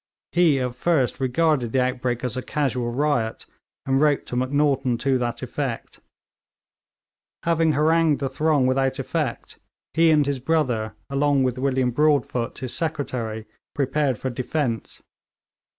He at first regarded the outbreak as a casual riot, and wrote to Macnaghten to that effect. Having harangued the throng without effect, he and his brother, along with William Broadfoot his secretary, prepared for defence.